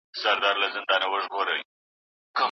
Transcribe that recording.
یوه حاجي مي را په شا کړله د وریجو بوجۍ